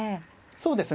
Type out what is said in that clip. そうですね。